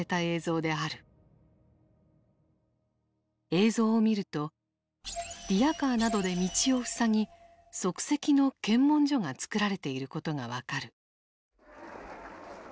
映像を見るとリヤカーなどで道を塞ぎ即席の検問所が作られていることが分かる。